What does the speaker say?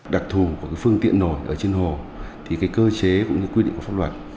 đặc thù của phương tiện nổi ở trên hồ thì cơ chế cũng như quy định của pháp luật